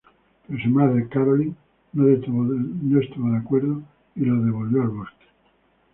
Pero su madre, Caroline, no estuvo de acuerdo y lo devolvió al bosque.